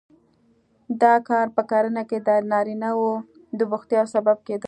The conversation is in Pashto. دا کار په کرنه کې د نارینه وو د بوختیا سبب کېده